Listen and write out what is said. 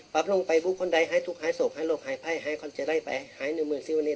ปรับลงไปบุคลใดให้ร่วมจากทุกข์หายโศกหายโรคหายไพรให้คนที่จะได้ไปหายเนื้อหมื่นสิวะเนี่ย